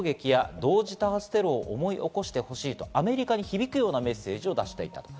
真珠湾攻撃や同時多発テロを思い起こしてほしいとアメリカに響くようなメッセージを出していた。